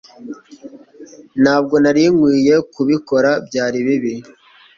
Ntabwo nari nkwiye kubikora Byari bibi